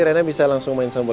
terima kasih banyak pak